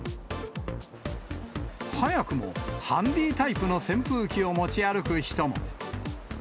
早くもハンディタイプの扇風機を持ち歩く人も。